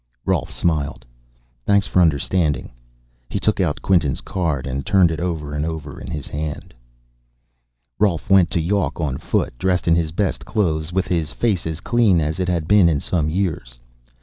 Rolf smiled. "Thanks for understanding." He took out Quinton's card and turned it over and over in his hand. Rolf went to Yawk on foot, dressed in his best clothes, with his face as clean as it had been in some years.